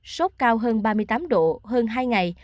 sốt cao hơn ba mươi tám độ hơn hai ngày